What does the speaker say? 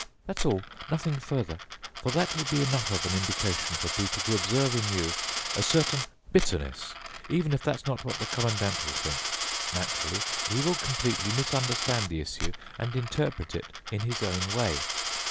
That's all—nothing further. For that will be enough of an indication for people to observe in you a certain bitterness, even if that's not what the Commandant will think. Naturally, he will completely misunderstand the issue and interpret it in his own way.